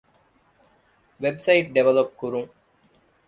ވެބްސައިޓް ޑިވެލޮޕް ކުރުން